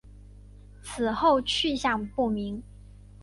此后去向不明。